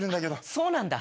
そうなんだ。